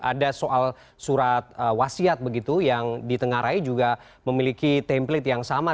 ada soal surat wasiat begitu yang ditengarai juga memiliki template yang sama